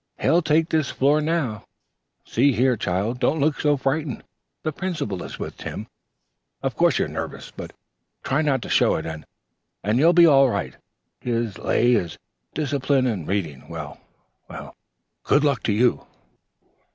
He'll take this floor next. Now, see here, child, don't look so frightened. The Principal is with Tim. Of course you're nervous, but try not to show it, and you'll be all right. His lay is discipline and reading. Well, good luck to you!"